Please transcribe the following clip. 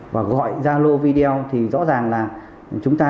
và gọi ra lô video thì rõ ràng là chúng ta